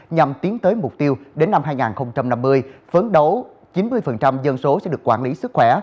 nhằm tiến tới mục tiêu đến năm hai nghìn năm mươi phấn đấu chín mươi dân số sẽ được quản lý sức khỏe